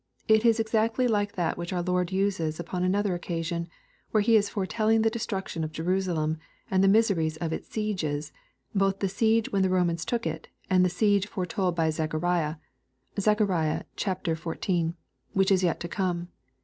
It is exactly like that which our Lord uses upon . another occasion, where He is foretelling the destruction of Je rusalem, and the miseries of its sieges, both the siege when the Romans took it^ and the siege foretold by Zechariali, (Zech. xiv.) which is yet to come.